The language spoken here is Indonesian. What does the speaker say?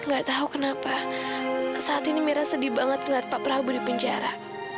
gak tahu kenapa saat ini mira sedih banget ngeliat pak prabowo di penjara